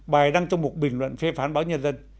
bài đăng trong một bình luận phê phán báo nhân dân